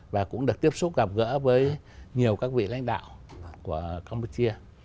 và cũng được tiếp xúc gặp gỡ với nhiều các vị lãnh đạo của campuchia